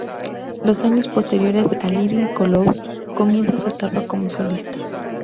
Los años posteriores a Living Colour comienza su etapa como solista.